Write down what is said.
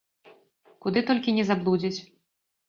Куды толькі не заблудзяць.